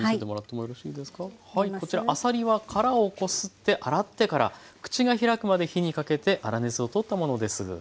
こちらあさりは殻をこすって洗ってから口が開くまで火にかけて粗熱を取ったものです。